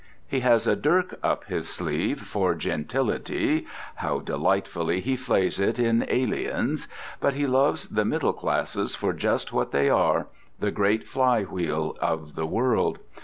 He has a dirk up his sleeve for Gentility (how delightfully he flays it in Aliens) but he loves the middle classes for just what they are: the great fly wheel of the world.